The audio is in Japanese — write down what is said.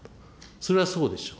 それはそうでしょう。